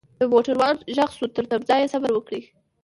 دموټروان ږغ شو ترتمځای صبروکړئ.